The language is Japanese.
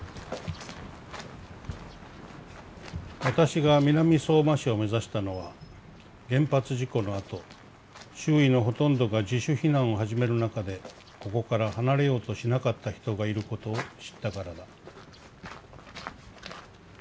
「私が南相馬市をめざしたのは原発事故の後周囲のほとんどが自主避難を始める中でここから離れようとしなかった人がいることを知ったからだ」。